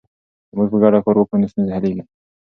که موږ په ګډه کار وکړو نو ستونزې حلیږي.